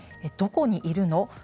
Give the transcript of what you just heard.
どこにいるの？